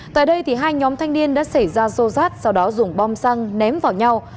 tại đây hai nhóm thanh niên đã xảy ra rô rát sau đó dùng bom xăng ném vào nhau